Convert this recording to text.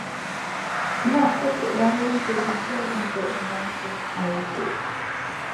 Mak petik daun teh hijau untuk membancuh air teh.